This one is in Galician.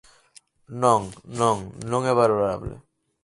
Non, non, non é valorable.